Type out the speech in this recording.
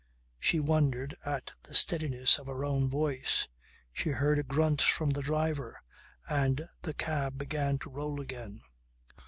She wondered at the steadiness of her own voice. She heard a grunt from the driver and the cab began to roll again.